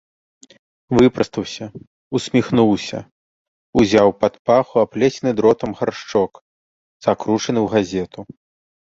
Выпрастаўся, усміхнуўся, узяў пад паху аплецены дротам гаршчок, закручаны ў газету.